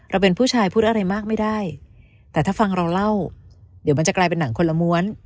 เป็นผู้ชายพูดอะไรมากไม่ได้แต่ถ้าฟังเราเล่าเดี๋ยวมันจะกลายเป็นหนังคนละม้วน